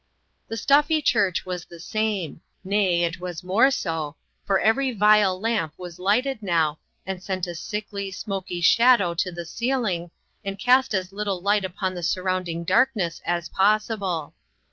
The stuffy church was the same ; nay, it was more so, for every vile lamp was lighted now, and sent a sickly, smoky shadow to LIFTED UP. S/ the ceiling, and cast as little light upon the surrounding darkness as possible.